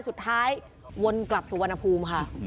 สุดท้ายวนกลับสุวรรณภูมิค่ะ